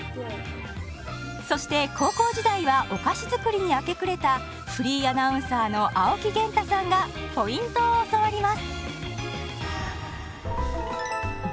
そして高校時代はお菓子作りに明け暮れたフリーアナウンサーの青木源太さんがポイントを教わります！